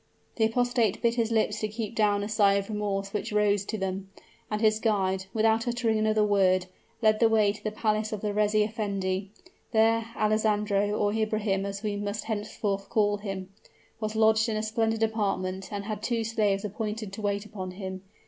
The apostate bit his lips to keep down a sigh of remorse which rose to them; and his guide, without uttering another word, led the way to the palace of the reis effendi. There Alessandro or Ibrahim, as we must henceforth call him was lodged in a splendid apartment, and had two slaves appointed to wait upon him.